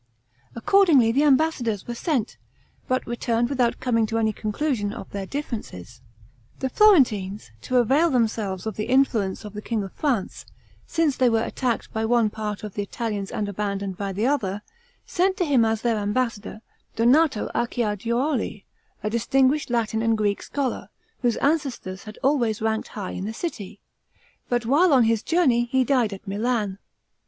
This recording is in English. Accordingly, the ambassadors were sent, but returned without coming to any conclusion of their differences. The Florentines, to avail themselves of the influence of the king of France, since they were attacked by one part of the Italians and abandoned by the other, sent to him as their ambassador, Donato Acciajuoli, a distinguished Latin and Greek scholar, whose ancestors had always ranked high in the city, but while on his journey he died at Milan.